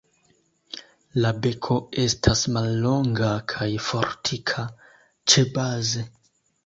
La beko estas mallonga kaj fortika ĉebaze.